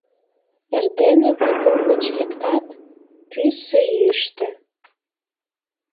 Эрдене вагон гыч лектат — Пӱсӧ йӱштӧ.